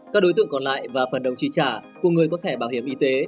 các đối tượng còn lại và phần đồng trị trả của người có thẻ bảo hiểm y tế